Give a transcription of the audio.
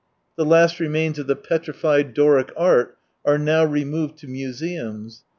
The last remains of the petrified Doric art are now removed to museums.